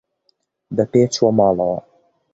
بە پێ چووە ماڵەوە.